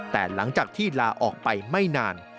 แต่หลังจากที่ลาออกไปไม่นาน